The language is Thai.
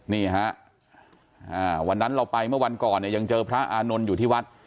นี่ฮะวันนั้นเราไปเมื่อวันก่อนเนี่ยยังเจอพระอานนท์อยู่ที่วัด